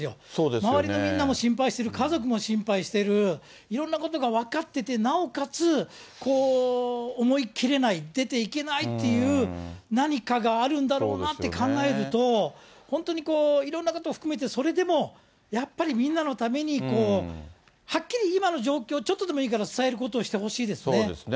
周りのみんなも心配してる、家族も心配してる、いろんなことが分かってて、なおかつ、思い切れない、出ていけないっていう何かがあるんだろうなって考えると、本当にいろんなことを含めて、それでもやっぱりみんなのために、こう、はっきり今の状況を、ちょっとでもいいから伝えることをしてほしいですね。